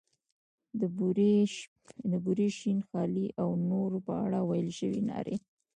د بورې، شین خالۍ او نورو په اړه ویل شوې نارې.